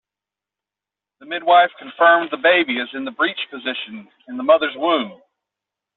The midwife confirmed the baby is in the breech position in the mother’s womb.